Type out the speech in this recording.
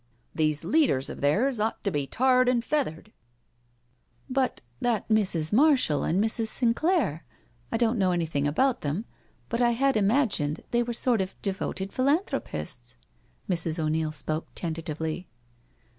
" These leaders of theirs ought to be tarred and feathered." " But that Mrs. Marshall and Mrs. Sinclair? I don't know anything about them, but I had imagined they were sort of devoted philanthropists?" Mrs. O'Neil spoke tentatively.